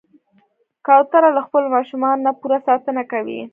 کوتره له خپلو ماشومانو نه پوره ساتنه کوي.